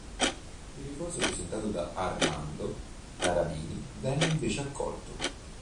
Il ricorso presentato da Armando Tarabini venne invece accolto.